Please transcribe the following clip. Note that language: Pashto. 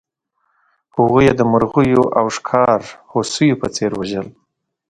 هغوی یې د مرغیو او ښکار هوسیو په څېر وژل.